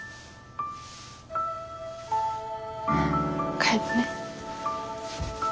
帰るね。